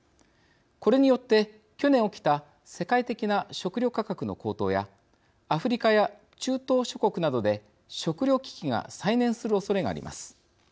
これによって去年起きた世界的な食料価格の高騰やアフリカや中東諸国などで食料危機が再燃するおそれがあります。